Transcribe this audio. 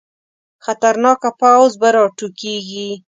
خطرناکه پوځ به راوټوکېږي.